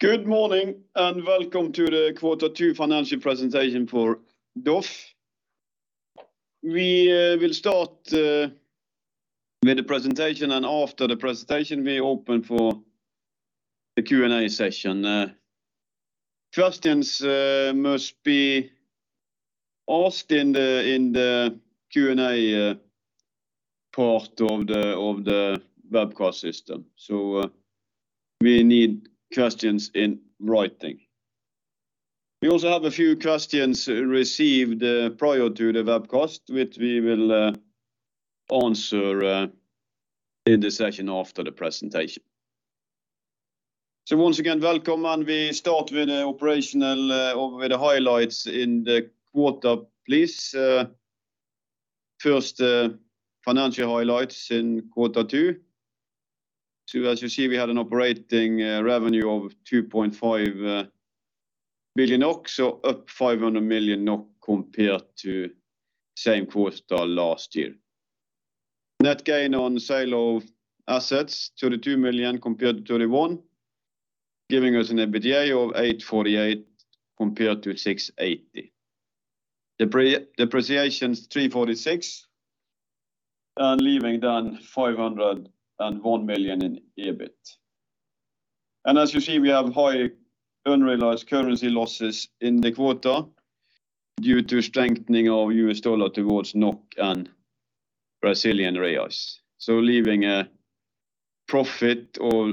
Good morning and welcome to the quarter two financial presentation for DOF. We will start with the presentation, and after the presentation, we open for the Q&A session. Questions must be asked in the Q&A part of the webcast system. We need questions in writing. We also have a few questions received prior to the webcast, which we will answer in the session after the presentation. Once again, welcome, and we start with the operational or with the highlights in the quarter, please. First, the financial highlights in quarter two. As you see, we had an operating revenue of 2.5 billion NOK, up 500 million NOK compared to same quarter last year. Net gain on sale of assets, 32 million compared to 31 million, giving us an EBITDA of 848 million compared to 680 million. Depreciations 346 million, leaving then 501 million in EBIT. As you see, we have high unrealized currency losses in the quarter due to strengthening of U.S. Dollar towards NOK and Brazilian reals. Leaving a profit or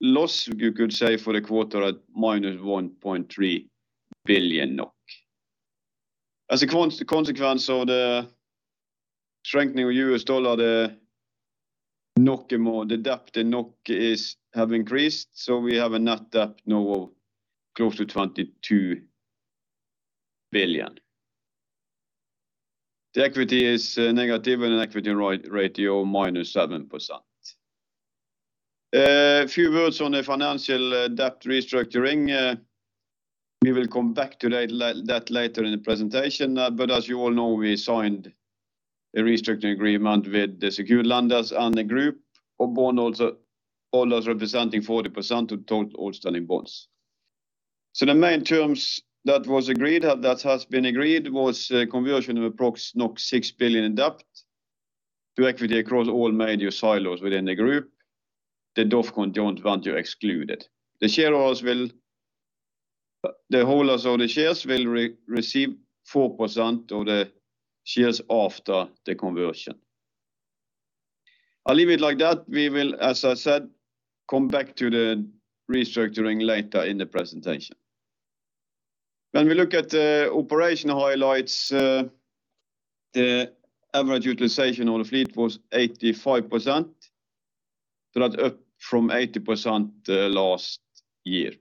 loss, you could say, for the quarter at -1.3 billion. As a consequence of the strengthening of U.S. Dollar, the debt in NOK has increased, so we have a net debt now of close to 22 billion. The equity is negative, and equity ratio -7%. A few words on the financial debt restructuring. We will come back to that later in the presentation. As you all know, we signed a restructuring agreement with the secured lenders and the group, or bondholders representing 40% of total outstanding bonds. The main terms that has been agreed was conversion of approx 6 billion in debt to equity across all major silos within the group. The DOF joint venture excluded. The holders of the shares will receive 4% of the shares after the conversion. I'll leave it like that. We will, as I said, come back to the restructuring later in the presentation. When we look at the operational highlights, the average utilization of the fleet was 85%. That's up from 80% last year.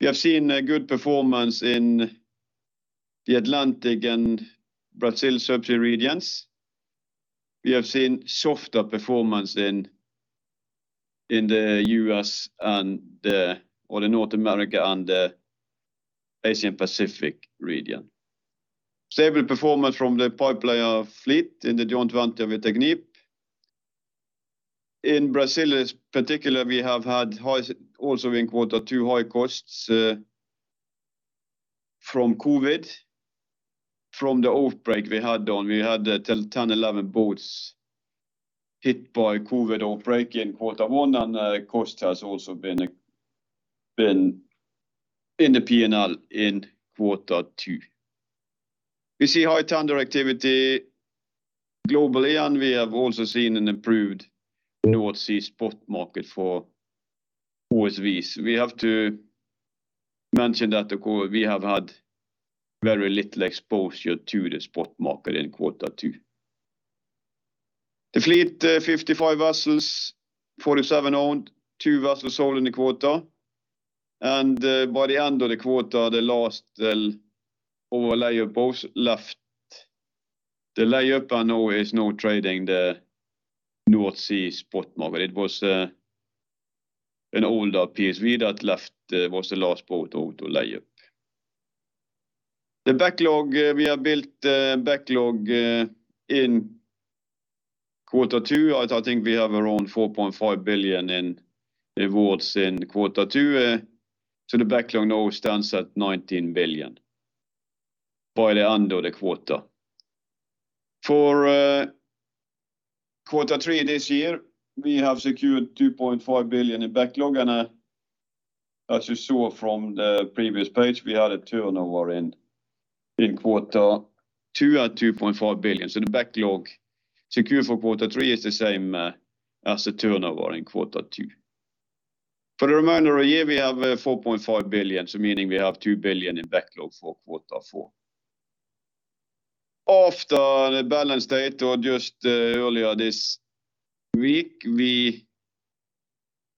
We have seen a good performance in the Atlantic and Brazil sub-regions. We have seen softer performance in the U.S. and North America and Asian Pacific region. Stable performance from the pipelayer fleet in the joint venture with TechnipFMC. In Brazil, in particular, we have had high costs also in quarter two from COVID, from the outbreak we had on. We had 10, 11 boats hit by COVID outbreak in quarter one, and cost has also been in the P&L in quarter two. We see high tender activity globally, and we have also seen an improved North Sea spot market for OSVs. We have to mention that we have had very little exposure to the spot market in quarter two. The fleet, 55 vessels, 47 owned, two vessels sold in the quarter. By the end of the quarter, the last of our lay-up boats left the lay-up and now trading the North Sea spot market. It was an older PSV that left and was the last boat out to lay-up. We have built backlog in quarter two. I think we have around 4.5 billion in new awards in quarter two. The backlog now stands at 19 billion by the end of the quarter. For quarter three this year, we have secured 2.5 billion in backlog. As you saw from the previous page, we had a turnover in quarter two at 2.5 billion. The backlog secured for quarter three is the same as the turnover in quarter two. For the remainder of the year, we have 4.5 billion, meaning we have 2 billion in backlog for quarter four. After the balance date or just earlier this week, we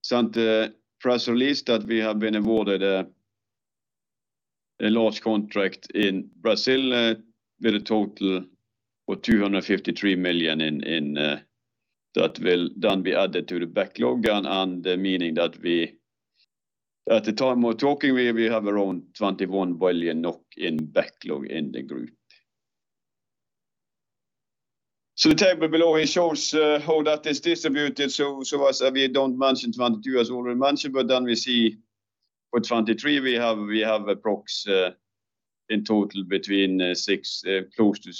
sent a press release that we have been awarded a large contract in Brazil with a total of 253 million that will then be added to the backlog. Meaning that at the time we're talking, we have around 21 billion NOK in backlog in the group. The table below shows how that is distributed. As we don't mention 2022 as already mentioned, but then we see for 2023 we have approximately in total between six close to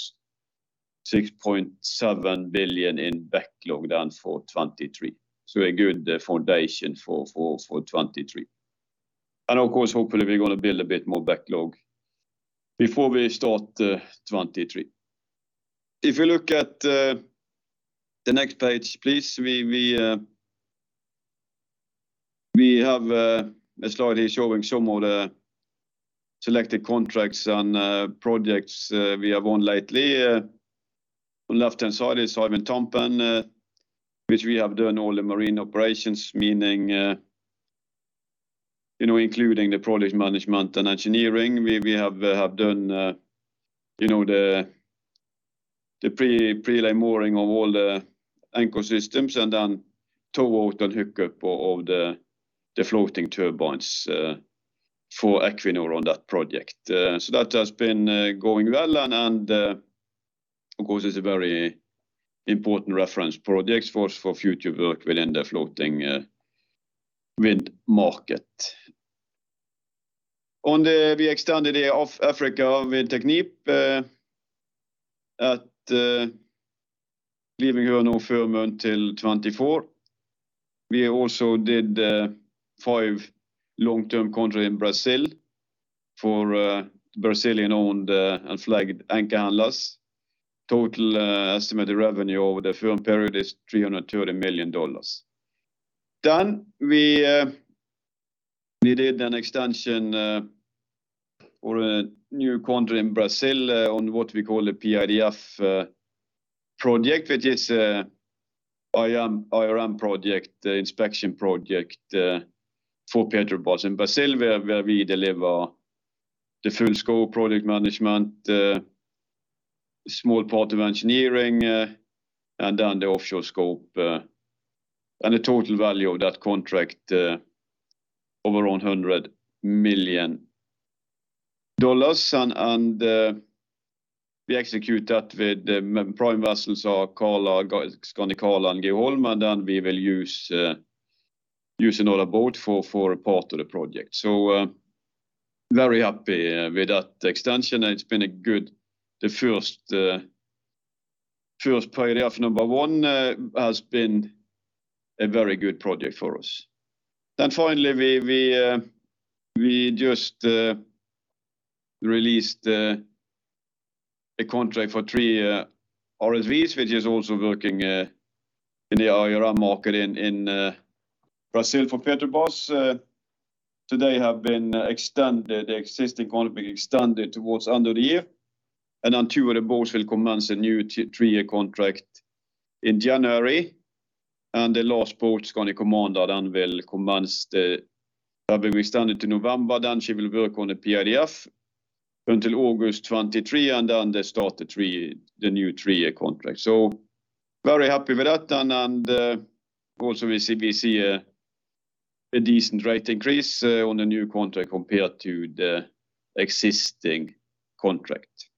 6.7 billion in backlog then for 2023. A good foundation for 2023. Of course, hopefully we're gonna build a bit more backlog before we start 2023. If you look at the next page, please. We have a slide here showing some of the selected contracts and projects we have won lately. On the left-hand side is Hywind Tampen, which we have done all the marine operations, meaning you know, including the project management and engineering. We have done you know, the pre-lay mooring of all the anchor systems and then tow out and hookup of the floating turbines for Equinor on that project. That has been going well and of course it's a very important reference project for future work within the floating wind market. We extended the off Africa with TechnipFMC at lower rates now full month till 2024. We also did five long-term contracts in Brazil for Brazilian-owned and flagged anchor handlers. Total estimated revenue over the firm period is $330 million. We did an extension or a new contract in Brazil on what we call a PIDF project which is IRM project, inspection project, for Petrobras in Brazil, where we deliver the full scope project management, small part of engineering, and then the offshore scope, and the total value of that contract over $100 million and we execute that with the prime vessels Skandi Carla and Geoholm, and then we will use another boat for a part of the project. Very happy with that extension and it's been a good first PIDF number one has been a very good project for us. Finally, we just released a contract for 3 RSVs which is also working in the IRM market in Brazil for Petrobras. Today have been extended. The existing contract extended towards end of the year, and then 2 of the boats will commence a new 3-year contract in January, and the last boat, Skandi Commander, then will commence. We extended to November, then she will work on the PIDF until August 2023, and then they start the new 3-year contract. Very happy with that then, and also we see a decent rate increase on the new contract compared to the existing contract.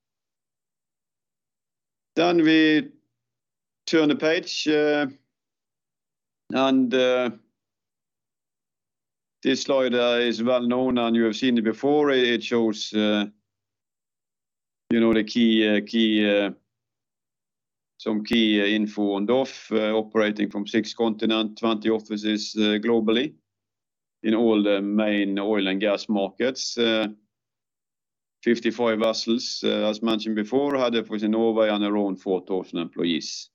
We turn the page, and this slide is well-known, and you have seen it before. It shows, you know, some key info on DOF operating from six continents, 20 offices globally in all the main oil and gas markets. 55 vessels, as mentioned before, head office in Norway and around 4,000 employees.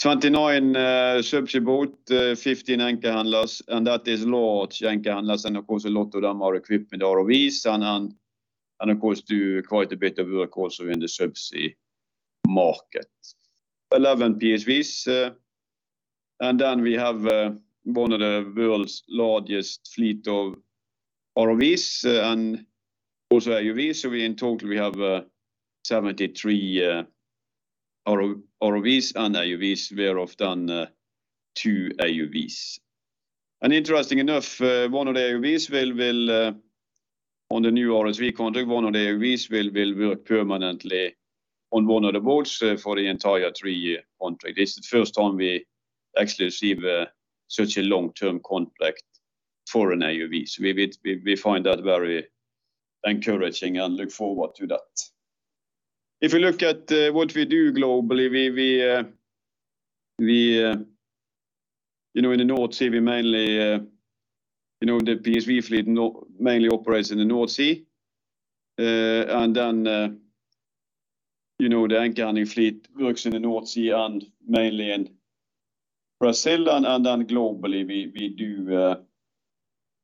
29 subsea vessels, 15 anchor handlers, and that is large anchor handlers and of course a lot of them are equipped with ROVs and of course do quite a bit of work also in the subsea market. 11 PSVs, and then we have one of the world's largest fleet of ROVs and also AUVs. So in total we have 73 ROVs and AUVs. We have two AUVs. Interesting enough, one of the AUVs will on the new RSV contract work permanently on one of the boats for the entire three-year contract. This is the first time we actually receive such a long-term contract for an AUV. We find that very encouraging and look forward to that. If you look at what we do globally, we you know in the North Sea, we mainly you know the PSV fleet mainly operates in the North Sea. You know, the anchor handling fleet works in the North Sea and mainly in Brazil and then globally, we do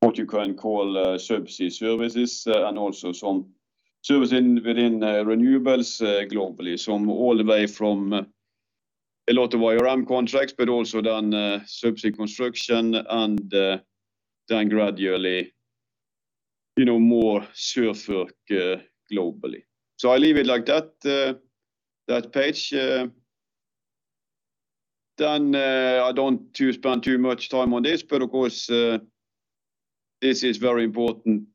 what you can call subsea services and also some service within renewables globally, some all the way from a lot of IRM contracts, but also subsea construction and then gradually, you know, more SURF work globally. I leave it like that page. I don't want to spend too much time on this, but of course, this is very important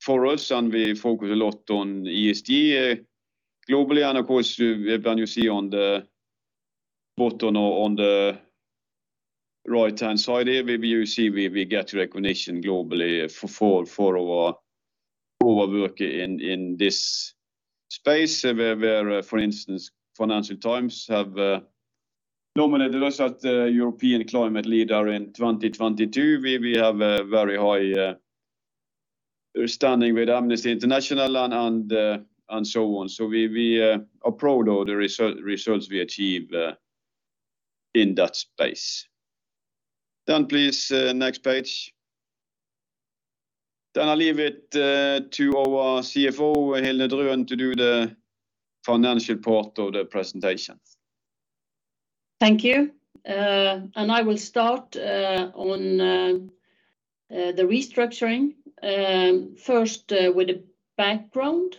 for us, and we focus a lot on ESG globally, and of course, you can see on the bottom or on the right-hand side here, you'll see we get recognition globally for our work in this space. For instance, Financial Times has nominated us as the European Climate Leaders 2022, where we have a very high standing with Amnesty International and so on. We are proud of the results we achieve in that space. Please, next page. I leave it to our CFO, Hilde Drønen, to do the financial part of the presentation. Thank you. I will start on the restructuring. First, with the background,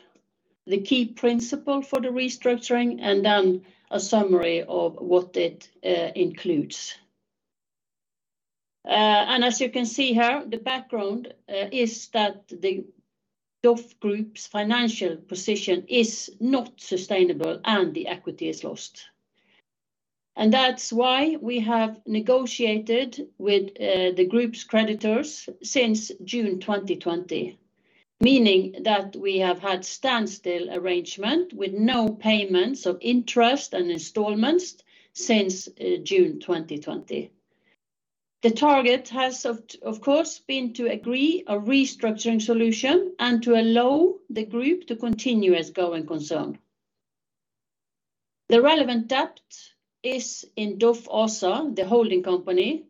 the key principle for the restructuring, and then a summary of what it includes. As you can see here, the background is that the DOF Group's financial position is not sustainable, and the equity is lost. That's why we have negotiated with the group's creditors since June 2020, meaning that we have had standstill arrangement with no payments of interest and installments since June 2020. The target has of course been to agree a restructuring solution and to allow the group to continue as going concern. The relevant debt is in DOF ASA, the holding company,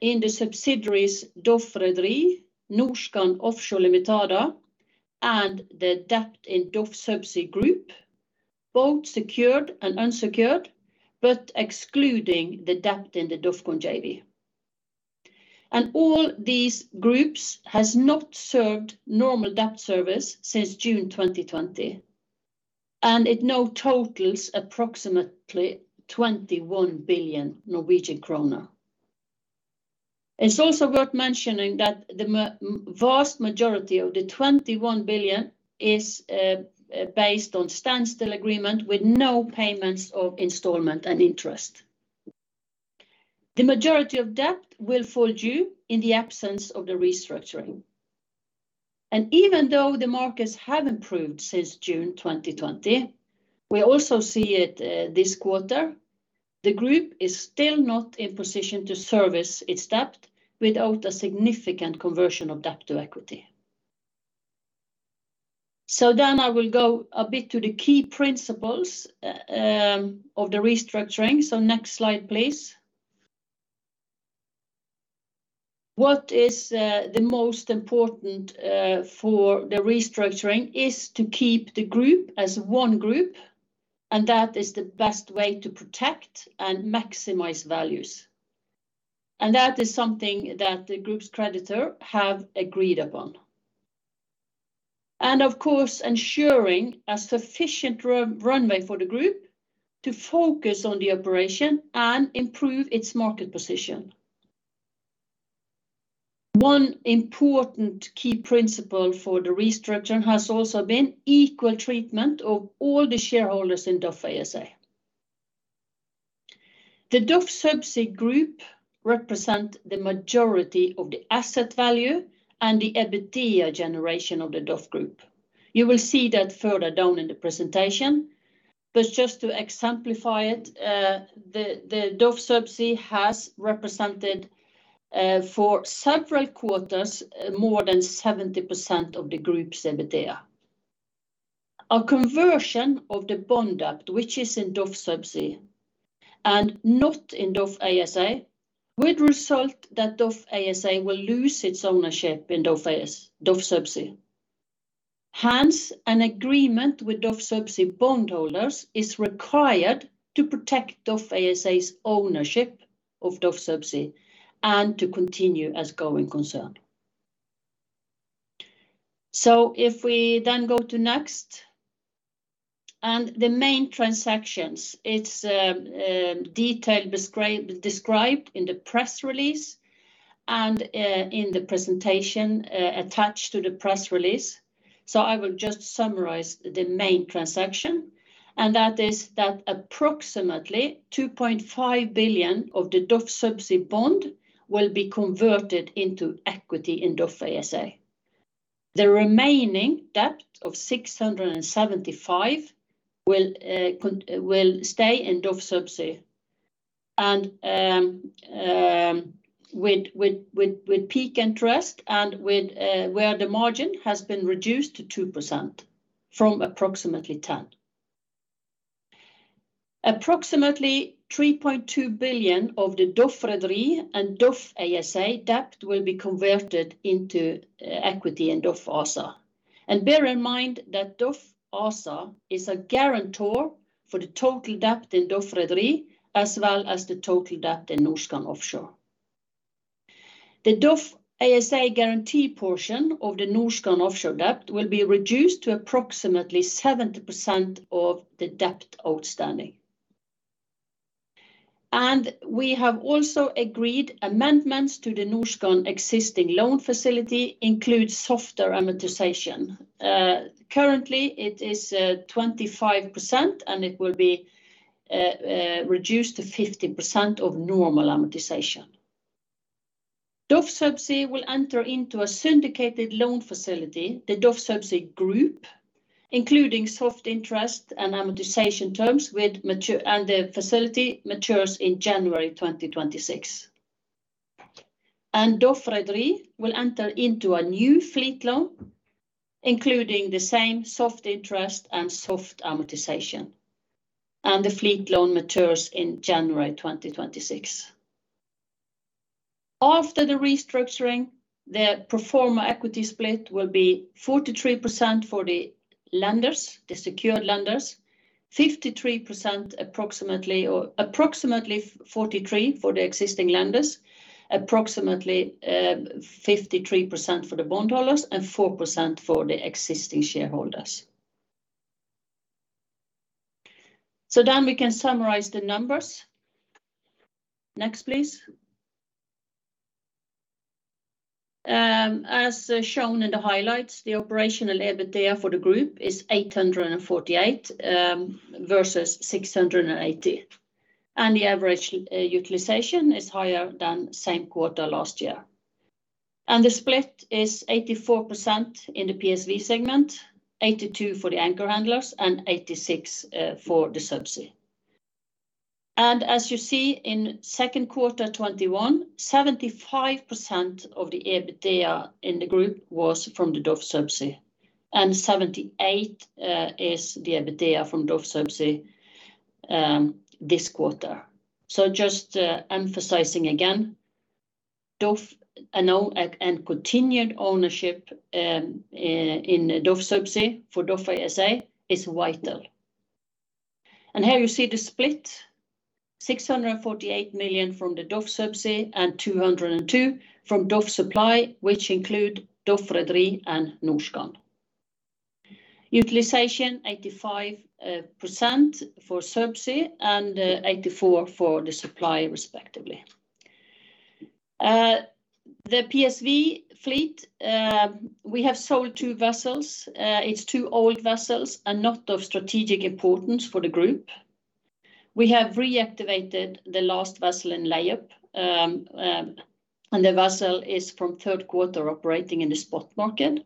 in the subsidiaries DOF Rederi, Norskan Offshore Ltda., and the debt in DOF Subsea Group, both secured and unsecured, but excluding the debt in the DOFCON JV. All these groups has not served normal debt service since June 2020, and it now totals approximately 21 billion Norwegian kroner. It's also worth mentioning that the vast majority of the 21 billion is based on standstill agreement with no payments of installment and interest. The majority of debt will fall due in the absence of the restructuring. Even though the markets have improved since June 2020, we also see it, this quarter, the group is still not in position to service its debt without a significant conversion of debt to equity. I will go a bit to the key principles of the restructuring. Next slide, please. What is the most important for the restructuring is to keep the group as one group, and that is the best way to protect and maximize values. That is something that the group's creditor have agreed upon. Of course, ensuring a sufficient runway for the group to focus on the operation and improve its market position. One important key principle for the restructuring has also been equal treatment of all the shareholders in DOF ASA. The DOF Subsea Group represent the majority of the asset value and the EBITDA generation of the DOF Group. You will see that further down in the presentation. Just to exemplify it, the DOF Subsea has represented, for several quarters, more than 70% of the group's EBITDA. A conversion of the bond debt, which is in DOF Subsea and not in DOF ASA, would result that DOF ASA will lose its ownership in DOF Subsea. Hence, an agreement with DOF Subsea bondholders is required to protect DOF ASA's ownership of DOF Subsea and to continue as going concern. If we then go to next and the main transactions, it's described in the press release and in the presentation attached to the press release. I will just summarize the main transaction, and that is that approximately 2.5 billion of the DOF Subsea bond will be converted into equity in DOF ASA. The remaining debt of 675 million will stay in DOF Subsea with PIK interest and where the margin has been reduced to 2% from approximately 10%. Approximately 3.2 billion of the DOF Rederi and DOF ASA debt will be converted into equity in DOF ASA. Bear in mind that DOF ASA is a guarantor for the total debt in DOF Rederi, as well as the total debt in Norskan Offshore. The DOF ASA guarantee portion of the Norskan Offshore debt will be reduced to approximately 70% of the debt outstanding. We have also agreed amendments to the Norskan's existing loan facility include softer amortization. Currently it is 25% and it will be reduced to 50% of normal amortization. DOF Subsea will enter into a syndicated loan facility, the DOF Subsea Group, including soft interest and amortization terms, and the facility matures in January 2026. DOF Rederi will enter into a new fleet loan, including the same soft interest and soft amortization, and the fleet loan matures in January 2026. After the restructuring, the pro forma equity split will be 43% for the lenders, the secured lenders, 53% approximately, or approximately 43% for the existing lenders, approximately, 53% for the bondholders and 4% for the existing shareholders. We can summarize the numbers. Next, please. As shown in the highlights, the operational EBITDA for the group is 848 versus 680, and the average utilization is higher than same quarter last year. The split is 84% in the PSV segment, 82% for the anchor handlers and 86% for the subsea. As you see in Q2 2021, 75% of the EBITDA in the group was from the DOF Subsea and 78% is the EBITDA from DOF Subsea this quarter. Just emphasizing again, DOF and continued ownership in DOF Subsea for DOF ASA is vital. Here you see the split 648 million from the DOF Subsea and 202 million from DOF Supply, which includes DOF Rederi and Norskan. Utilization 85% for Subsea and 84% for the supply respectively. The PSV fleet, we have sold 2 vessels. It's 2 old vessels and not of strategic importance for the group. We have reactivated the last vessel in layup. The vessel is from Q3 operating in the spot market.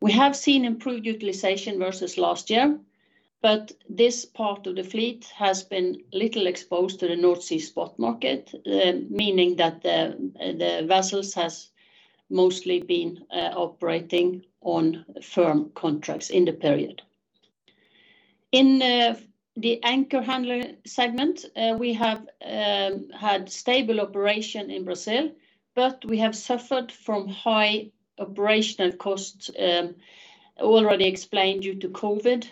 We have seen improved utilization versus last year, but this part of the fleet has been little exposed to the North Sea spot market, meaning that the vessels has mostly been operating on firm contracts in the period. In the anchor handling segment, we have had stable operation in Brazil, but we have suffered from high operational costs, already explained due to COVID,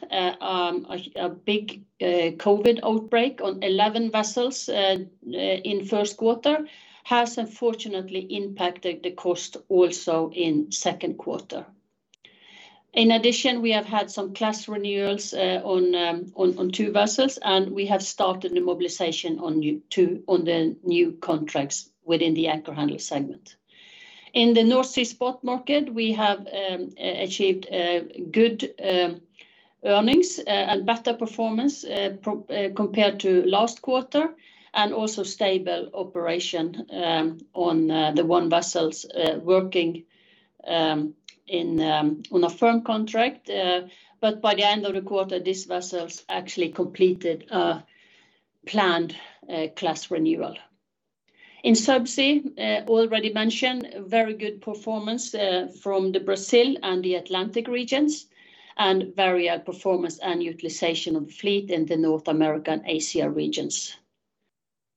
a big COVID outbreak on 11 vessels in Q1 has unfortunately impacted the cost also in Q2. In addition, we have had some class renewals on 2 vessels, and we have started the mobilization on the new contracts within the anchor handling segment. In the North Sea spot market, we have achieved good earnings and better performance compared to last quarter and also stable operation on the own vessels working in on a firm contract. By the end of the quarter, these vessels actually completed planned class renewal. In Subsea, already mentioned very good performance from Brazil and the Atlantic regions, and very high performance and utilization of the fleet in the North American, Asia regions.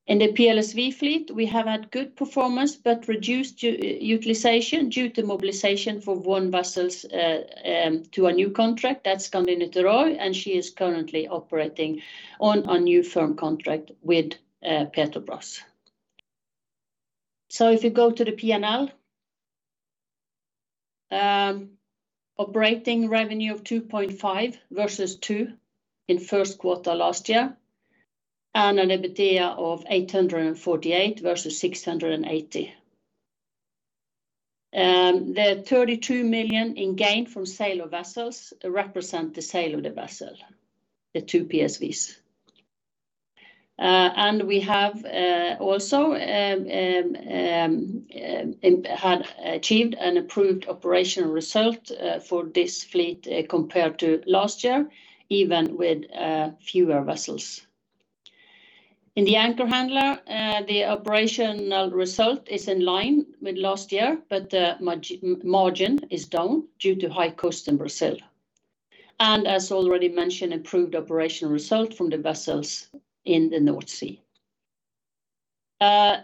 In the PLSV fleet, we have had good performance but reduced utilization due to mobilization for one vessel to a new contract that's Skandi Niterói, and she is currently operating on a new firm contract with Petrobras. If you go to the P&L. Operating revenue of 2.5 vs 2 in Q1 last year, and an EBITDA of 848 vs 680. The thirty-two million in gain from sale of vessels represent the sale of the vessel, the two PSVs. We have also had achieved an improved operational result for this fleet compared to last year, even with fewer vessels. In the anchor handler, the operational result is in line with last year, but the margin is down due to high cost in Brazil. As already mentioned, improved operational result from the vessels in the North Sea. The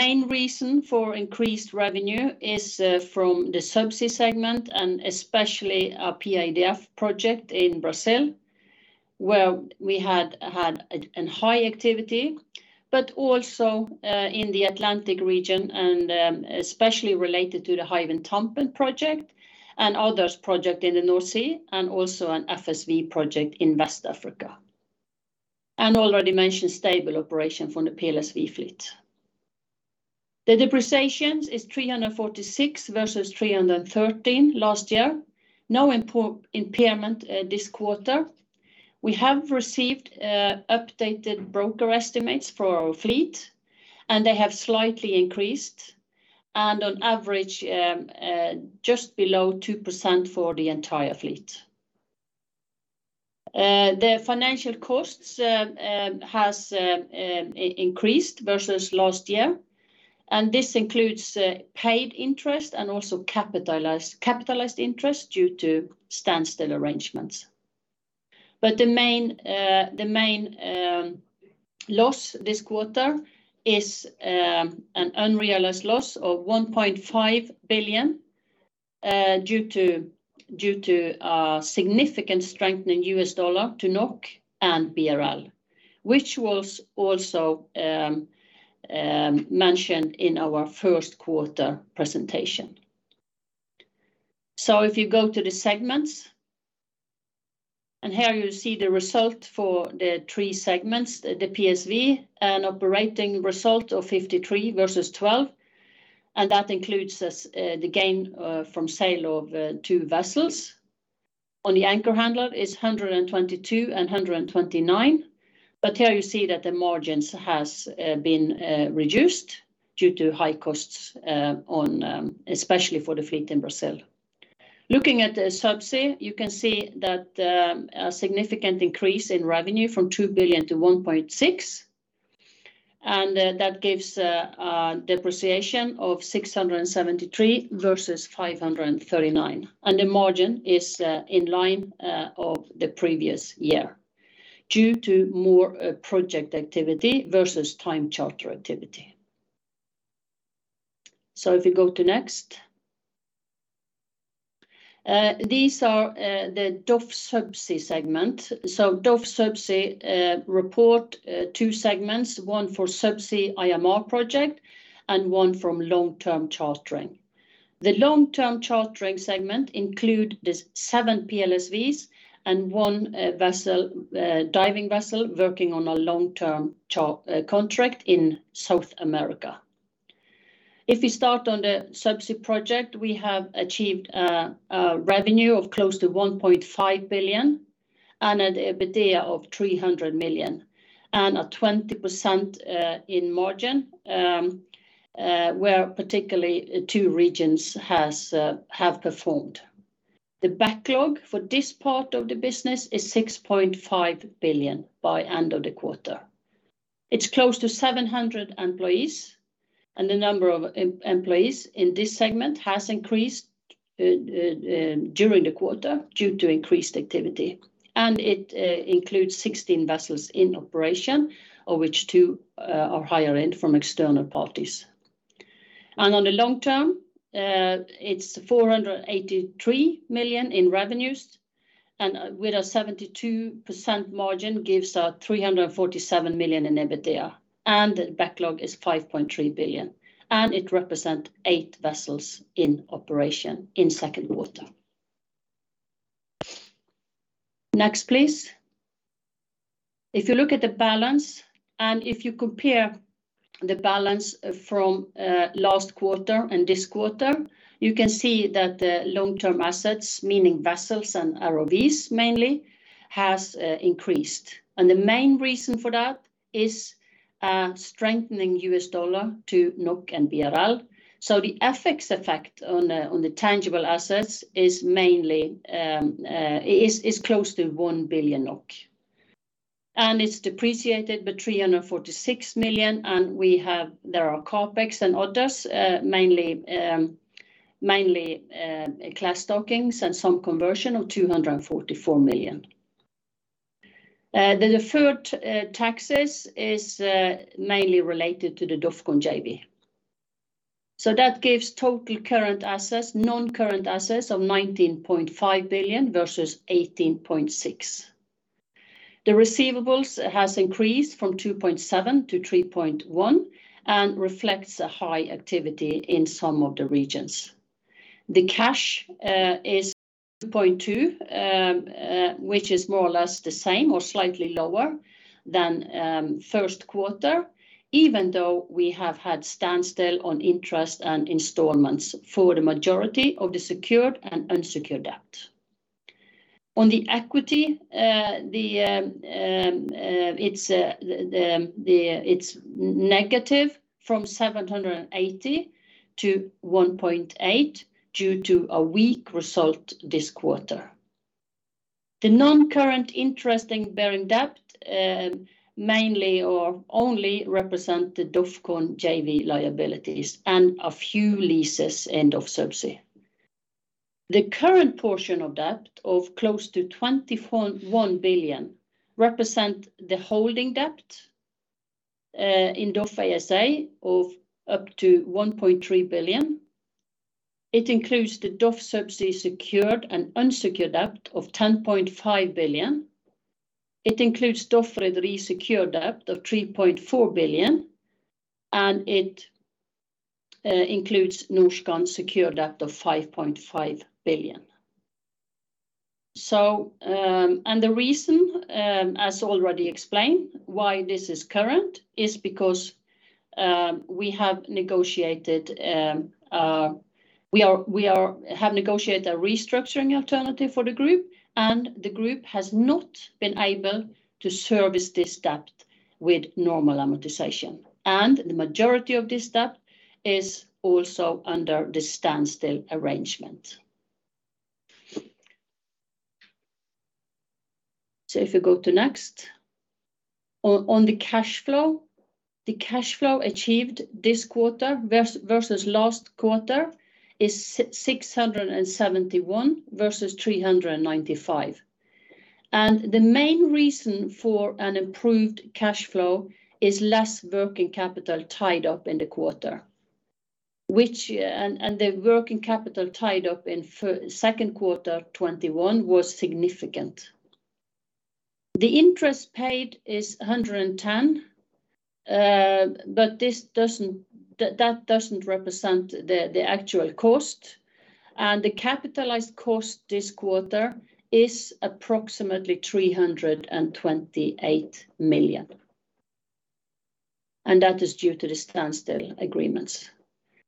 main reason for increased revenue is from the Subsea segment and especially our PIDF project in Brazil. Well, we had a high activity, but also in the Atlantic region and especially related to the Hywind Tampen project and other projects in the North Sea and also an FSV project in West Africa. Already mentioned stable operation from the PSV fleet. The depreciation is 346 versus 313 last year. No impairment this quarter. We have received updated broker estimates for our fleet, and they have slightly increased, and on average just below 2% for the entire fleet. The financial costs has increased versus last year, and this includes paid interest and also capitalized interest due to standstill arrangements. The main loss this quarter is an unrealized loss of 1.5 billion due to a significant strengthening of the U.S. dollar to NOK and BRL, which was also mentioned in our Q1 presentation. If you go to the segments, here you see the result for the three segments. The PSV, an operating result of 53 versus 12, and that includes the gain from sale of two vessels. On the Anchor Handler is 122 and 129. Here you see that the margins has been reduced due to high costs especially for the fleet in Brazil. Looking at the Subsea, you can see that a significant increase in revenue from 2 billion to 1.6 billion, and that gives depreciation of 673 versus 539. The margin is in line of the previous year due to more project activity versus time charter activity. If you go to next. These are the DOF Subsea segment. DOF Subsea reports 2 segments, one for Subsea IMR project and one from long-term chartering. The long-term chartering segment includes the 7 PLSV and one diving vessel working on a long-term contract in South America. If we start on the Subsea project, we have achieved revenue of close to 1.5 billion and an EBITDA of 300 million and a 20% in margin, where particularly two regions have performed. The backlog for this part of the business is 6.5 billion by end of the quarter. It's close to 700 employees, and the number of employees in this segment has increased during the quarter due to increased activity. It includes 16 vessels in operation, of which two are hired in from external parties. On the long-term, it's 483 million in revenues, and with a 72% margin gives 347 million in EBITDA, and the backlog is 5.3 billion, and it represent eight vessels in operation in Q2. Next, please. If you look at the balance, and if you compare the balance from last quarter and this quarter, you can see that the long-term assets, meaning vessels and ROVs mainly, has increased. The main reason for that is strengthening U.S. dollar to NOK and BRL. The FX effect on the tangible assets is mainly close to 1 billion NOK. It's depreciated by 346 million, and we have there are CapEx and others, mainly class dockings and some conversion of 244 million. The deferred taxes is mainly related to the DOFCON JV. That gives total current assets, non-current assets of 19.5 billion versus 18.6. The receivables has increased from 2.7 to 3.1 and reflects a high activity in some of the regions. The cash is 2.2, which is more or less the same or slightly lower than Q1, even though we have had standstill on interest and installments for the majority of the secured and unsecured debt. On the equity, it's negative from 780 to 1.8 due to a weak result this quarter. The non-current interest-bearing debt mainly or only represent the DOFCON JV liabilities and a few leases in Subsea. The current portion of debt of close to 21 billion represent the holding debt in DOF ASA of up to 1.3 billion. It includes the DOF Subsea secured and unsecured debt of 10.5 billion. It includes DOF Rederi secured debt of 3.4 billion, and it includes Norskan secured debt of 5.5 billion. The reason, as already explained, why this is current is because we have negotiated a restructuring alternative for the group, and the group has not been able to service this debt with normal amortization. The majority of this debt is also under the standstill arrangement. If you go to next. On the cash flow. The cash flow achieved this quarter versus last quarter is 671 versus 395. The main reason for an improved cash flow is less working capital tied up in the quarter, which. The working capital tied up in Q2 2021 was significant. The interest paid is 110, but that doesn't represent the actual cost. The capitalized cost this quarter is approximately 328 million, and that is due to the standstill agreements.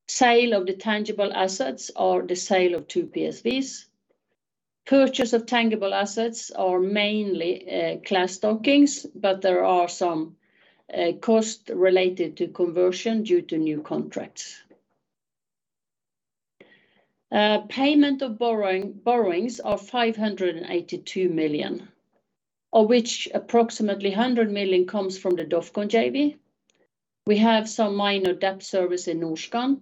Sale of the tangible assets are the sale of 2 PSVs. Purchase of tangible assets are mainly class dockings, but there are some cost- related to conversion due to new contracts. Payment of borrowing, borrowings are 582 million, of which approximately 100 million comes from the DOFCON JV. We have some minor debt service in Norskan,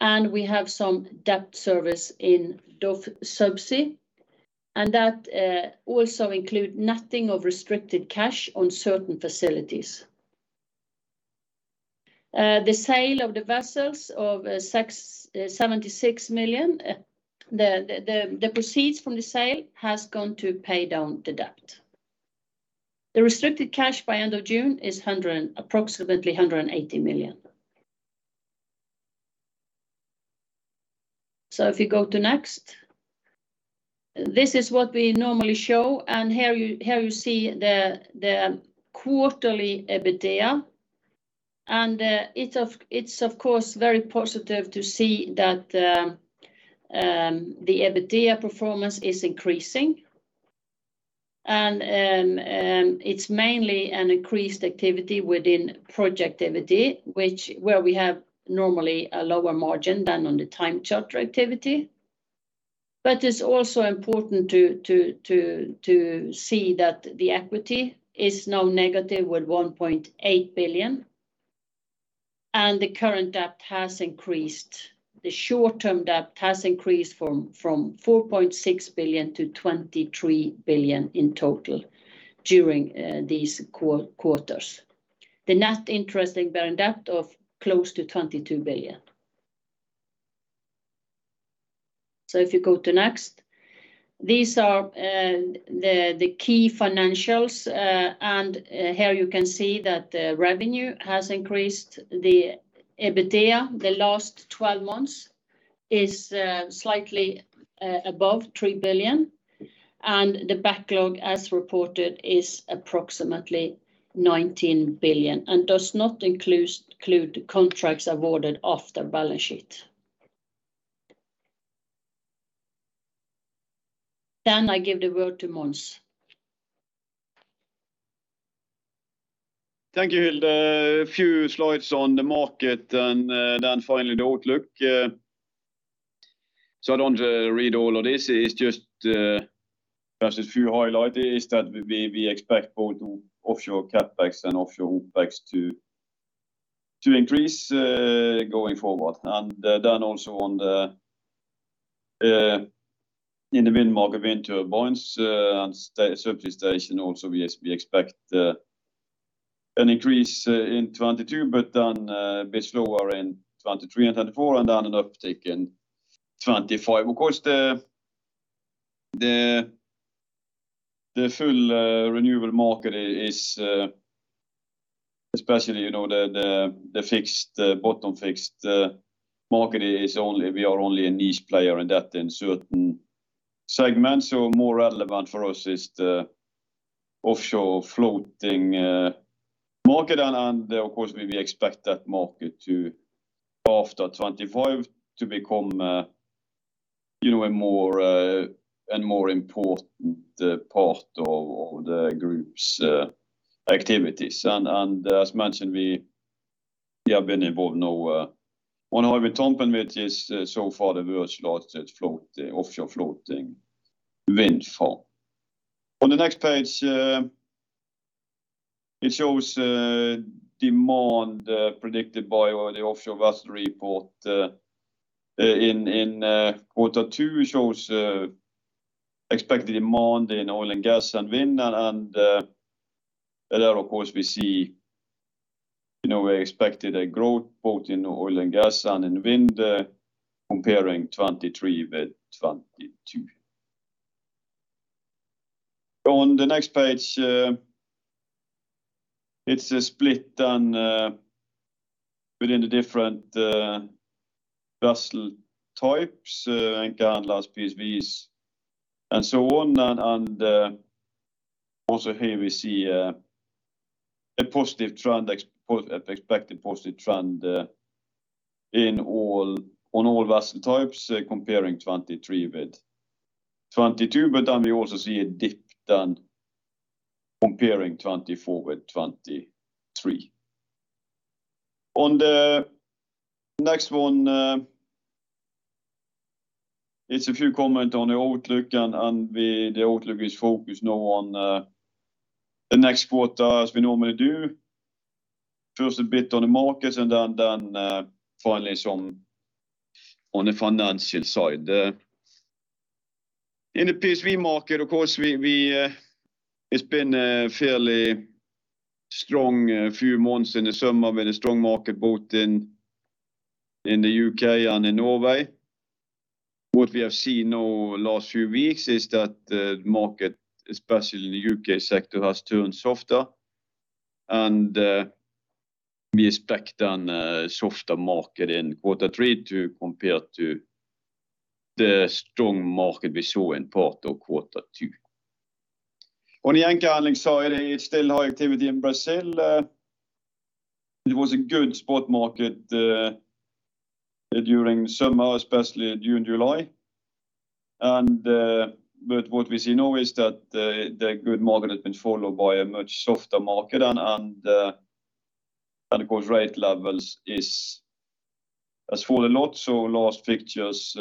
and we have some debt service in DOF Subsea, and that also include nothing of restricted cash on certain facilities. The sale of the vessels of six seventy-six million, the proceeds from the sale has gone to pay down the debt. The restricted cash by end of June is approximately 180 million. If you go to next. This is what we normally show, and here you see the quarterly EBITDA. It's of course very positive to see that the EBITDA performance is increasing. It's mainly an increased activity within project activity, where we have normally a lower margin than on the time charter activity. It's also important to see that the equity is now negative with 1.8 billion, and the current debt has increased. The short-term debt has increased from 4.6 billion to 23 billion in total during these quarters. The net interest bearing debt of close to 22 billion. If you go to next. These are the key financials, and here you can see that the revenue has increased. The EBITDA, the last 12 months is slightly above 3 billion, and the backlog, as reported, is approximately 19 billion and does not include contracts awarded after balance sheet. I give the word to Mons. Thank you, Hilde. A few slides on the market and then finally the outlook. I don't read all of this. It's just a few highlights that we expect both offshore CapEx and offshore OpEx to increase going forward. Then also in the wind market, wind turbines and substation also we expect an increase in 2022, but then be slower in 2023 and 2024 and then an uptick in 2025. Of course, the full renewable market is especially, you know, the fixed bottom fixed market is only. We are only a niche player in that in certain segments, so more relevant for us is the offshore floating market. Of course, we expect that market to after 2025 become, you know, a more important part of the group's activities. As mentioned, we have been involved now on Hywind Tampen, which is so far the world's largest offshore floating wind farm. On the next page, it shows demand predicted by the offshore vessel report in quarter two. It shows expected demand in oil and gas and wind, and there of course we see. You know, we expected a growth both in oil and gas and in wind, comparing 2023 with 2022. On the next page, it's a split within the different vessel types, anchor handlers, PSVs and so on. Also here we see a positive, expected positive trend on all vessel types comparing 2023 with 2022. We also see a dip, then comparing 2024 with 2023. On the next one, it's a few comments on the outlook and the outlook is focused now on the next quarter as we normally do. First, a bit on the markets and then finally some on the financial side. In the PSV market, of course, it's been a fairly strong few months in the summer with a strong market both in the U.K. and in Norway. What we have seen in the last few weeks is that the market, especially in the U.K. sector, has turned softer. We expect a softer market in quarter three too compared to the strong market we saw in part of quarter two. On the anchor handling side, it's still high activity in Brazil. It was a good spot market during summer, especially in June, July. But what we see now is that the good market has been followed by a much softer market and of course, rate levels has fallen a lot. Last fixtures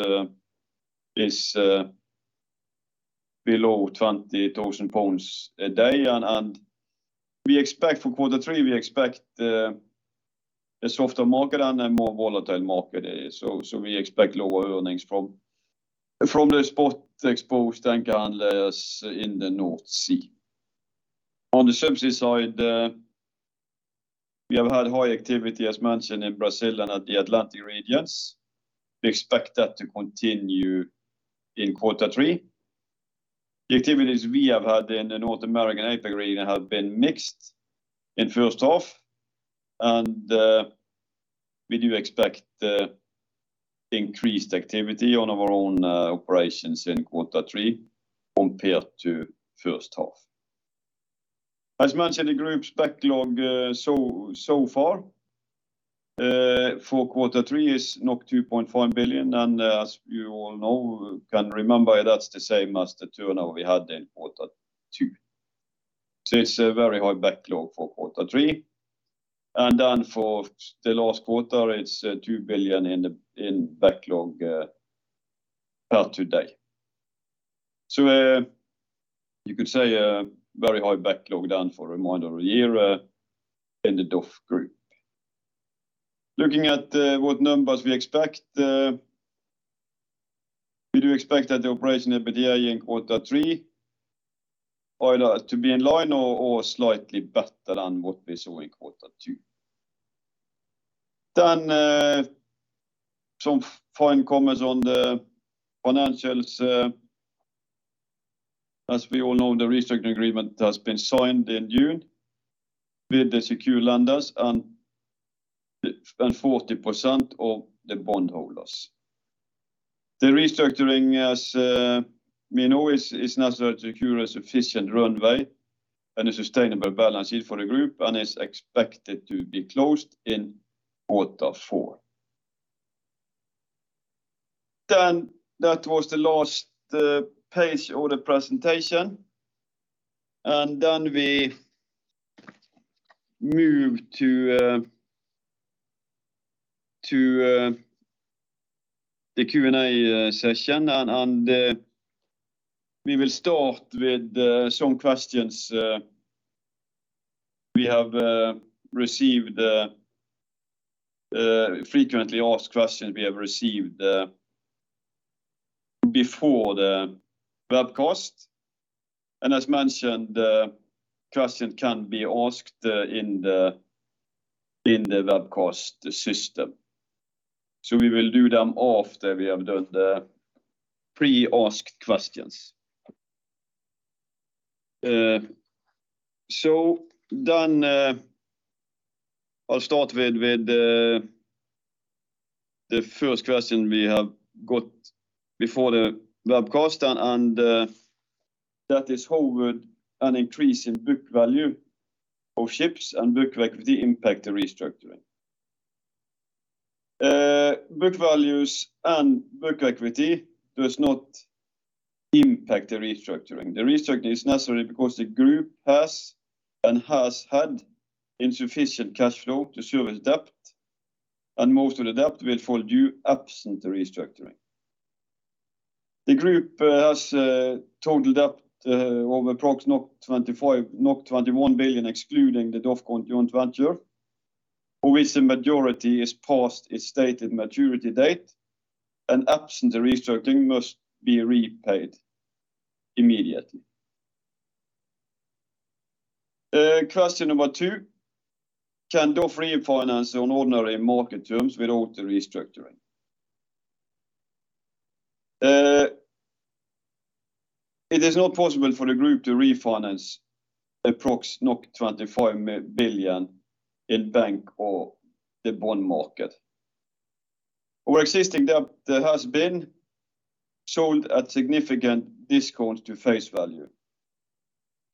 is below 20,000 pounds a day. We expect for quarter three a softer market and a more volatile market. We expect lower earnings from the spot exposed anchor handlers in the North Sea. On the subsea side, we have had high activity, as mentioned, in Brazil and at the Atlantic region. We expect that to continue in quarter three. The activities we have had in the North American AP region have been mixed in first half. We do expect increased activity on our own operations in quarter three compared to first half. As mentioned, the group's backlog so far for quarter three is 2.5 billion. As you all know, can remember, that's the same as the turnover we had in quarter two. It's a very high backlog for quarter three. For the last quarter, it's 2 billion in backlog per today. You could say a very high backlog then for remainder of the year in the DOF Group. Looking at what numbers we expect, we do expect that the operational EBITDA in quarter three to be in line or slightly better than what we saw in quarter two. Some final comments on the financials. As we all know, the restructuring agreement has been signed in June with the secured lenders and 40% of the bondholders. The restructuring, as we know, is necessary to secure a sufficient runway and a sustainable balance sheet for the group and is expected to be closed in quarter four. That was the last page of the presentation. We move to the Q&A session and we will start with some frequently asked questions we have received before the webcast. As mentioned, questions can be asked in the webcast system. We will do them after we have done the pre-asked questions. I'll start with the first question we have got before the webcast then. That is, "How would an increase in book value of ships and book equity impact the restructuring?" Book values and book equity does not impact the restructuring. The restructuring is necessary because the group has and has had insufficient cash flow to service debt, and most of the debt will fall due absent the restructuring. The group has total debt of approx. 21 billion, excluding the DOF joint venture, of which the majority is past its stated maturity date and absent the restructuring must be repaid immediately. Question number 2: Can DOF refinance on ordinary market terms without the restructuring? It is not possible for the group to refinance approx. 25 billion in bank or the bond market. Our existing debt has been sold at significant discounts to face value,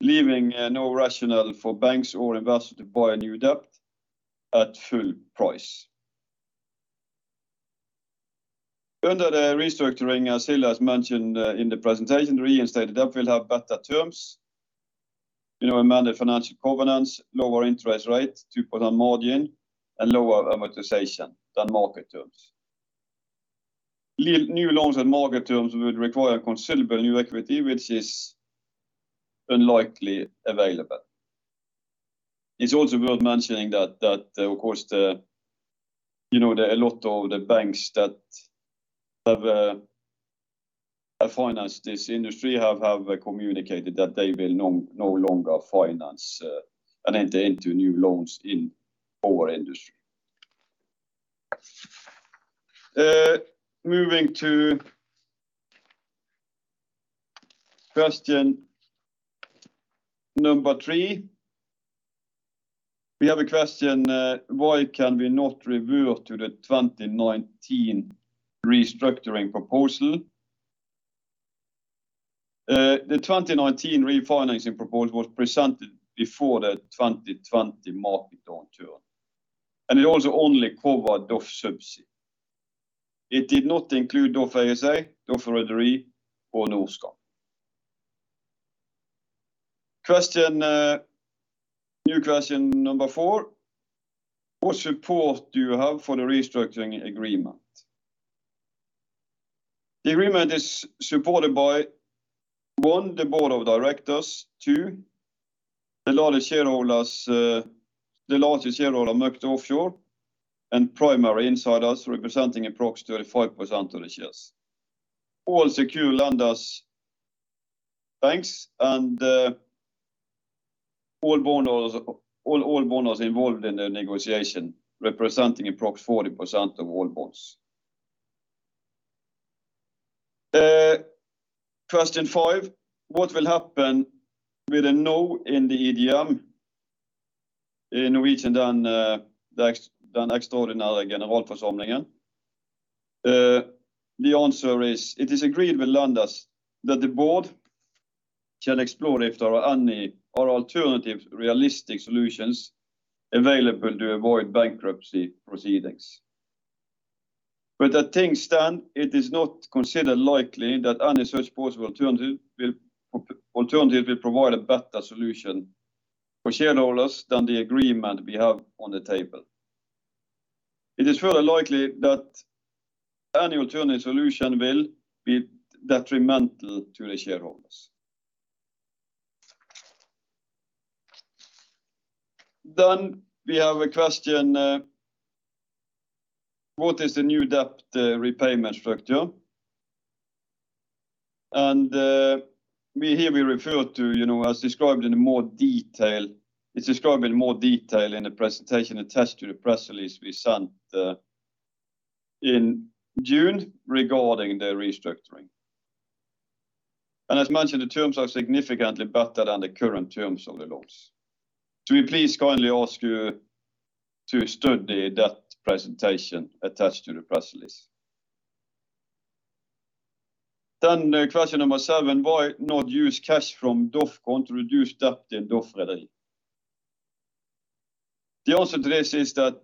leaving no rationale for banks or investors to buy new debt at full price. Under the restructuring, as Hilde has mentioned in the presentation, the reinstated debt will have better terms, you know, amended financial covenants, lower interest rate, 2% margin and lower amortization than market terms. New loans at market terms would require considerable new equity, which is unlikely available. It's also worth mentioning that of course a lot of the banks that have financed this industry have communicated that they will no longer finance and enter into new loans in our industry. Moving to question number 3. We have a question: Why can we not revert to the 2019 restructuring proposal? The 2019 refinancing proposal was presented before the 2020 market downturn, and it also only covered DOF Subsea. It did not include DOF ASA, DOF Rederi or Norskan. Question, new question number 4: What support do you have for the restructuring agreement? The agreement is supported by, 1, the board of directors. 2, the largest shareholders, the largest shareholder Møgster Offshore and primary insiders representing approx 35% of the shares. All secured lenders, banks and all bondholders involved in the negotiation, representing approximately 40% of all bonds. Question five: What will happen with a no in the EGM? In Norwegian, the extraordinary generalforsamling. The answer is, it is agreed with lenders that the board shall explore if there are any alternative realistic solutions available to avoid bankruptcy proceedings. The things stand, it is not considered likely that any such possible alternative will provide a better solution for shareholders than the agreement we have on the table. It is further likely that any alternative solution will be detrimental to the shareholders. We have a question: What is the new debt repayment structure? Here we refer to, you know, as described in more detail, it's described in more detail in the presentation attached to the press release we sent in June regarding the restructuring. As mentioned, the terms are significantly better than the current terms of the loans. We please kindly ask you to study that presentation attached to the press release. Question number 7: Why not use cash from DOFCON to reduce debt in DOF Rederi? The answer to this is that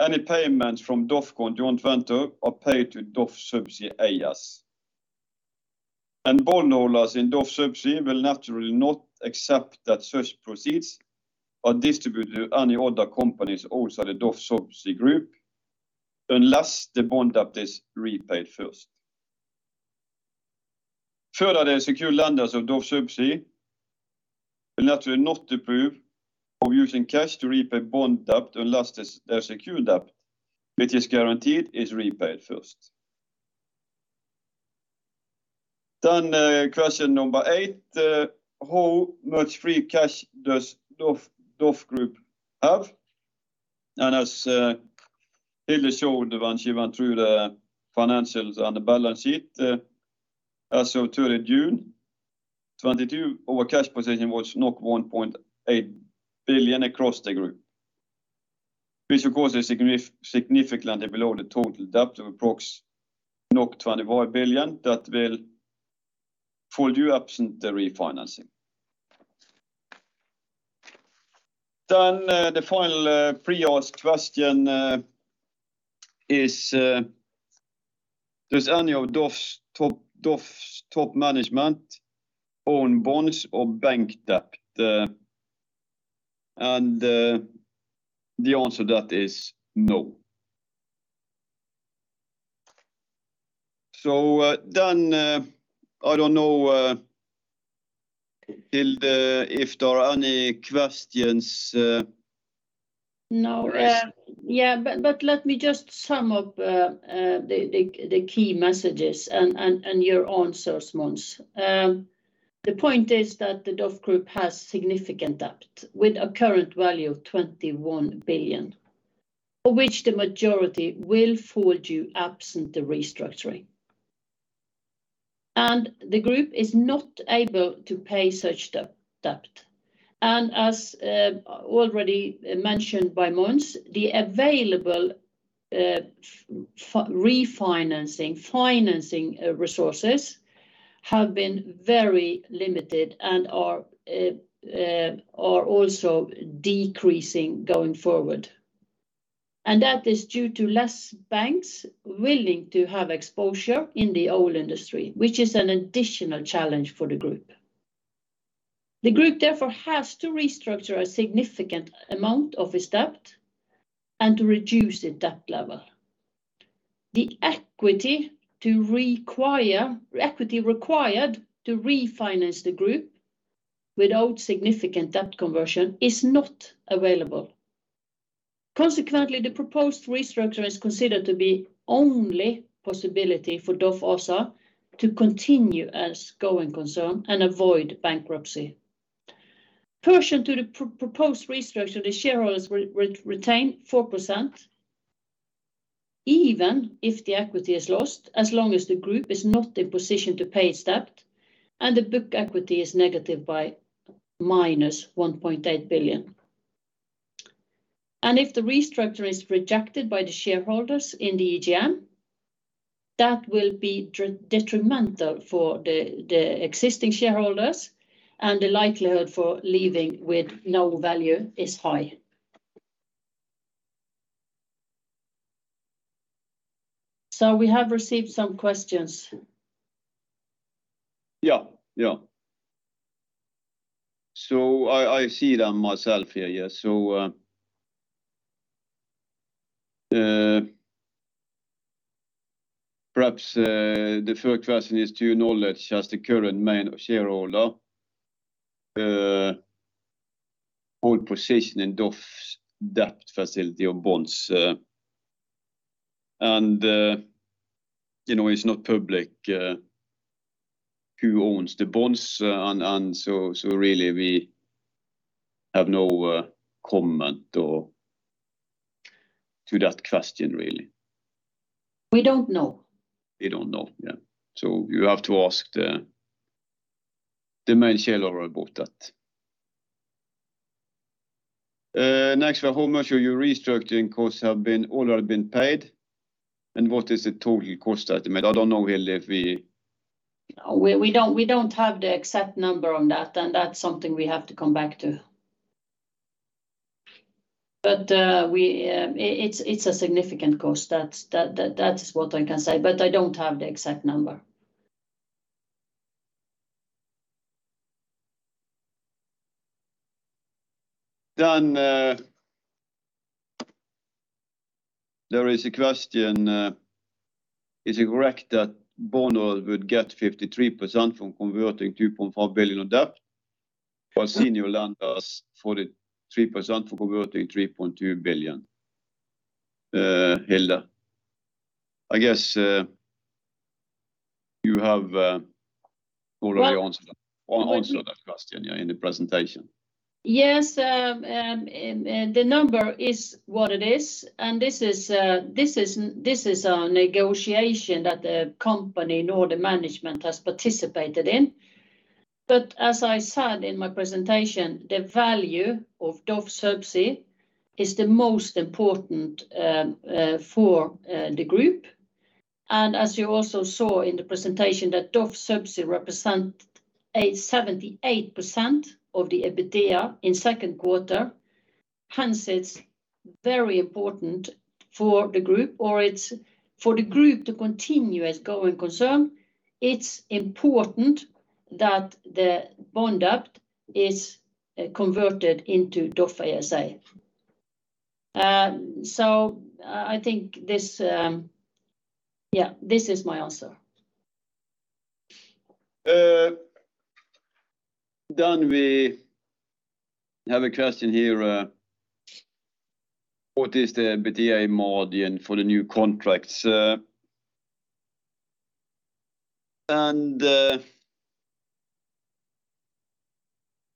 any payments from DOFCON 2020 are paid to DOF Subsea AS. Bondholders in DOF Subsea will naturally not accept that such proceeds are distributed to any other companies outside the DOF Subsea Group unless the bond debt is repaid first. Further, the secured lenders of DOF Subsea will naturally not approve of using cash to repay bond debt unless their secured debt, which is guaranteed, is repaid first. Question number eight: How much free cash does DOF Group have? As Hilde showed when she went through the financials on the balance sheet, as of third June 2022, our cash position was 1.8 billion across the group, which of course is significantly below the total debt of approx. 25 billion that will fall due absent the refinancing. The final pre-asked question is: Does any of DOF's top management own bonds or bank debt? The answer to that is no. I don't know, Hilde, if there are any questions. No. Yeah, but let me just sum up the key messages and your answers, Mons. The point is that the DOF Group has significant debt with a current value of 21 billion, of which the majority will fall due absent the restructuring. The group is not able to pay such debt. As already mentioned by Mons, the available financing resources have been very limited and are also decreasing going forward. That is due to less banks willing to have exposure in the oil industry, which is an additional challenge for the group. The group therefore has to restructure a significant amount of its debt and to reduce its debt level. The equity required to refinance the group without significant debt conversion is not available. Consequently, the proposed restructure is considered to be only possibility for DOF ASA to continue as going concern and avoid bankruptcy. Pursuant to the proposed restructure, the shareholders will retain 4%, even if the equity is lost, as long as the group is not in position to pay its debt and the book equity is negative by minus 1.8 billion. If the restructure is rejected by the shareholders in the EGM, that will be detrimental for the existing shareholders, and the likelihood for leaving with no value is high. We have received some questions. Yeah. I see them myself here. Yeah. Perhaps the first question is: Do you know that just the current main shareholder hold position in DOF's debt facility or bonds? You know, it's not public who owns the bonds, and so really we have no comment on that question, really. We don't know. We don't know. Yeah. You have to ask the main shareholder about that. Next one: How much of your restructuring costs have already been paid, and what is the total cost estimate? I don't know really if we. We don't have the exact number on that, and that's something we have to come back to. It's a significant cost. That's what I can say, but I don't have the exact number. there is a question: Is it correct that bondholders would get 53% from converting 2.5 billion of debt while senior lenders 43% for converting 3.2 billion? Hilde, you have already answered that- Well, I think. Answered that question, yeah, in the presentation. Yes, the number is what it is. This is a negotiation that the company nor the management has participated in. As I said in my presentation, the value of DOF Subsea is the most important for the group. As you also saw in the presentation that DOF Subsea represent a 78% of the EBITDA in Q2, hence it's very important for the group or it's for the group to continue as going concern, it's important that the bond debt is converted into DOF ASA. I think this, yeah, this is my answer. We have a question here: What is the EBITDA margin for the new contracts?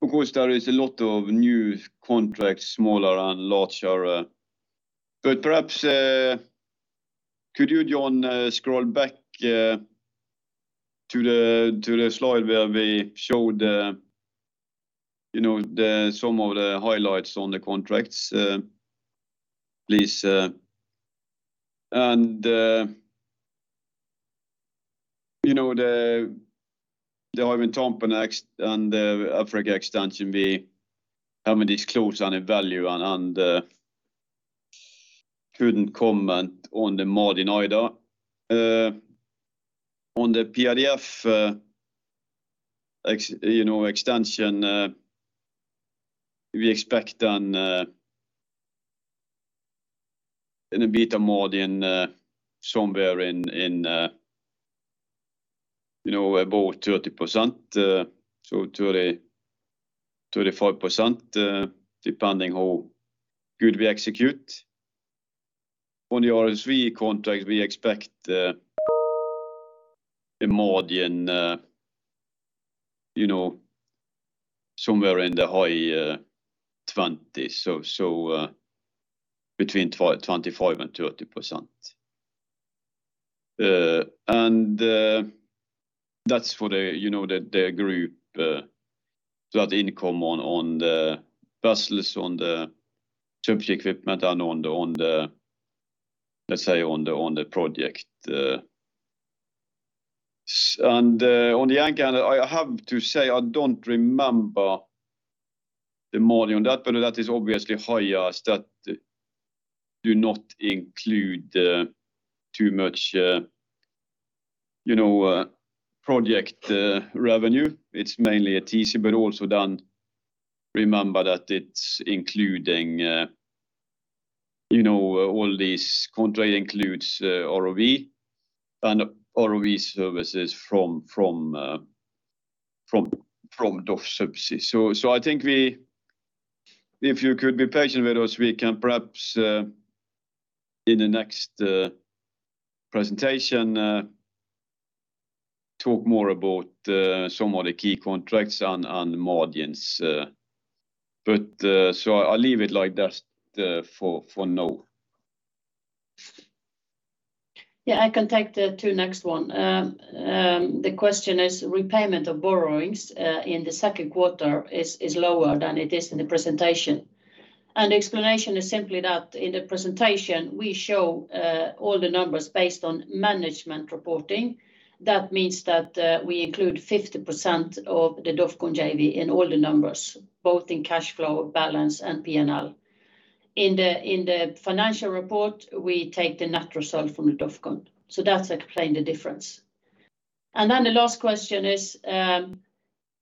Of course, there is a lot of new contracts, smaller and larger. Perhaps could you, John, scroll back to the slide where we showed you know, some of the highlights on the contracts, please. You know, the Hywind Tampen and the Africa extension, we have disclosed the value and couldn't comment on the margin either. On the PIDF extension, you know, we expect an EBITDA margin somewhere in you know, above 30%, so 30%-35%, depending how good we execute. On the RSV contract, we expect the margin you know, somewhere in the high 20%. Between 25% and 30%. That's for the, you know, the group, that income on the vessels, on the subsea equipment and on the, let's say, on the project. On the other hand, I have to say I don't remember the margin on that one, but that is highest. That do not include too much, you know, project revenue. It's mainly a TC, but also then remember that it's including, you know, all these contract includes ROV and ROV services from DOF Subsea. I think if you could be patient with us, we can perhaps in the next presentation talk more about some of the key contracts on margins. I'll leave it like that for now. I can take the two next one. The question is repayment of borrowings in the Q2 is lower than it is in the presentation. Explanation is simply that in the presentation, we show all the numbers based on management reporting. That means that we include 50% of the DOFCON JV in all the numbers, both in cash flow, balance and P&L. In the financial report, we take the net result from the DOFCON. That explains the difference. The last question is,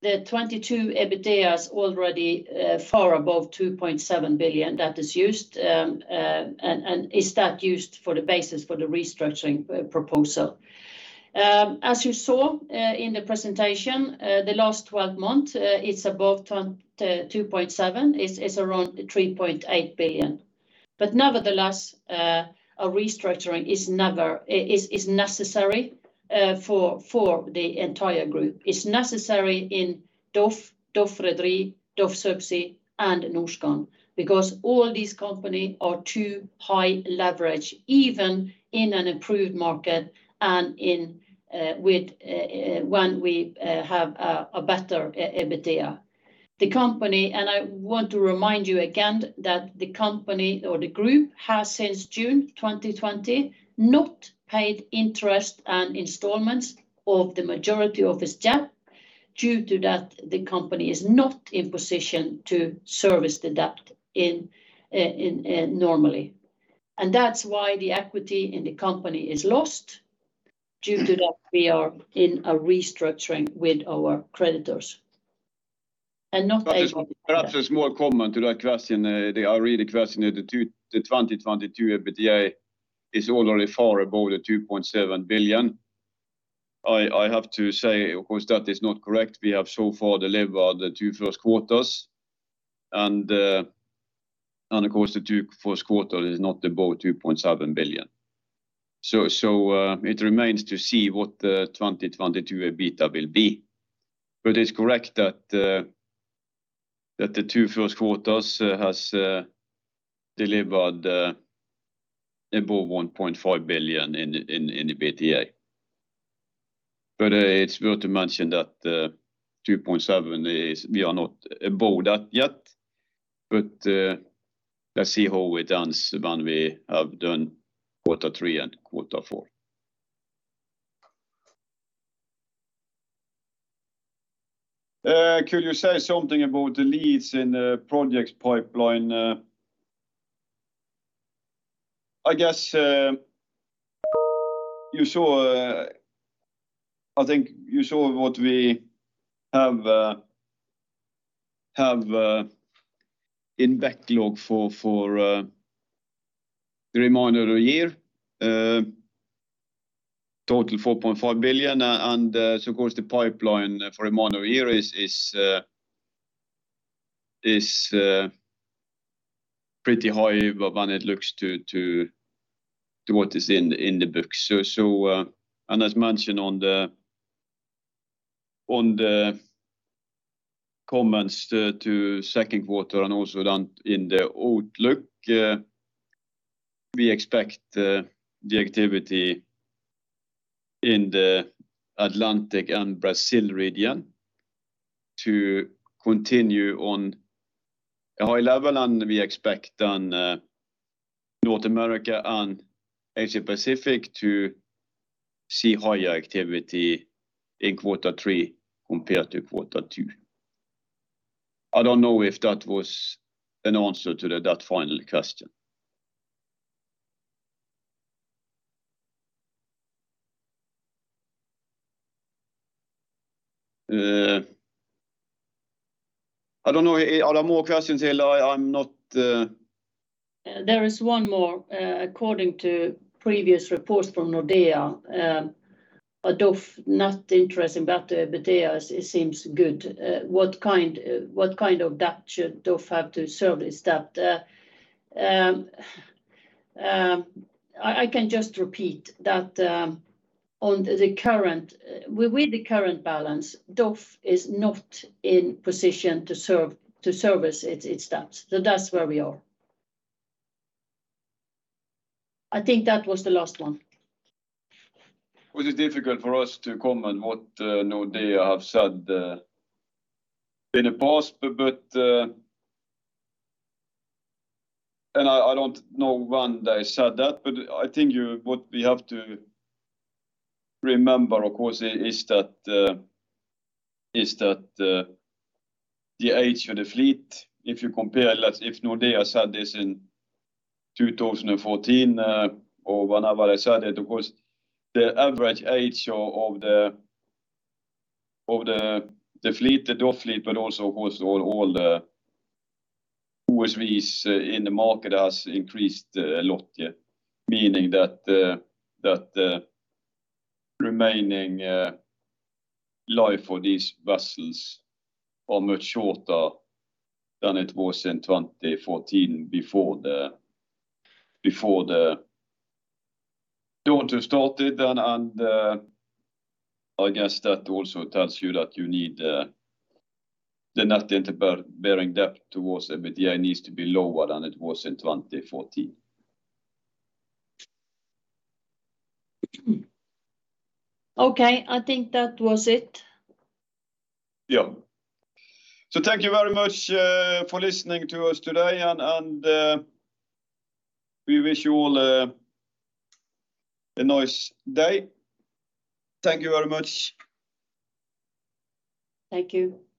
the 2022 EBITDA already far above 2.7 billion that is used and is that used for the basis for the restructuring proposal? As you saw in the presentation, the last twelve months, it's above 2.7. It's around 3.8 billion. Nevertheless, a restructuring is necessary for the entire group. It's necessary in DOF Rederi, DOF Subsea and Norskan, because all these companies are too high leverage, even in an improved market when we have a better EBITDA. I want to remind you again that the company or the group has, since June 2020, not paid interest and installments of the majority of its debt due to that the company is not in a position to service the debt normally. That's why the equity in the company is lost. Due to that, we are in a restructuring with our creditors and not able- Perhaps a small comment to that question. They are really questioning the 2022 EBITDA is already far above the 2.7 billion. I have to say, of course, that is not correct. We have so far delivered the two Q1s, and of course the two Q1s is not above 2.7 billion. It remains to see what the 2022 EBITDA will be. It's correct that the two Q1s has delivered above NOK 1.5 billion in the EBITDA. It's worth to mention that 2.7 billion we are not above that yet. Let's see how it ends when we have done quarter three and quarter four. Could you say something about the leads in the projects pipeline? You saw what we have in backlog for the remainder of year. Total 4.5 billion. Of course the pipeline for remainder of year is pretty high when it looks to what is in the books. As mentioned on the comments to Q2 and also then in the outlook, we expect the activity in the Atlantic and Brazil region to continue on a high level, and we expect then North America and Asia Pacific to see higher activity in quarter three compared to quarter two. I don't know if that was an answer to that final question. I don't know. Are there more questions here? I'm not. There is one more. According to previous reports from Nordea, although not interesting about the EBITDA, it seems good. What kind of debt should DOF have to service that? I can just repeat that, with the current balance, DOF is not in position to service its debts. That's where we are. I think that was the last one. Well, it is difficult for us to comment what Nordea have said in the past. I don't know when they said that, but I think what we have to remember, of course, is that is that the age of the fleet, if you compare, like if Nordea said this in 2014 or whenever they said it, of course, the average age of the fleet, the DOF fleet, but also across all the OSVs in the market has increased a lot, yeah. Meaning that that remaining life for these vessels are much shorter than it was in 2014 before the downturn started then. That also tells you that you need the net debt to EBITDA needs to be lower than it was in 2014. Okay. I think that was it. Yeah. Thank you very much for listening to us today. We wish you all a nice day. Thank you very much. Thank you.